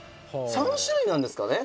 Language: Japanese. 「３種類なんですかね？」